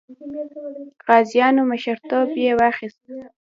غازیانو مشرتوب یې واخیست.